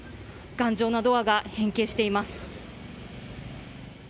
頑丈なドアが変形しています。